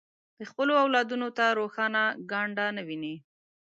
د خپلو اولادونو ته روښانه ګانده نه ویني.